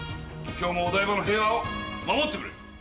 今日もお台場の平和を守ってくれ。